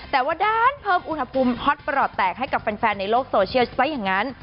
แต่ว่าด้านเพิ่มอุณหภูมิฮอตประหลอดแตกให้กับแฟนในโลกโซเชียลซะอย่างนั้น